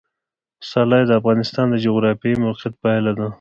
پسرلی د افغانستان د جغرافیایي موقیعت پایله ده.